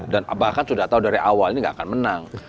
dan bahkan sudah tahu dari awal ini gak akan menang